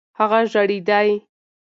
هغه ژړېدی .